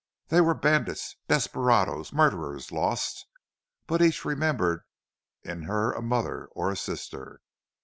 They were bandits, desperados, murderers, lost, but each remembered in her a mother or a sister.